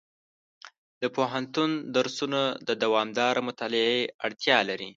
د پوهنتون درسونه د دوامداره مطالعې اړتیا لري.